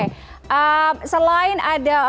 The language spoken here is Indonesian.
hmmm selain ada hmmm